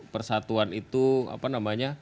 persatuan itu apa namanya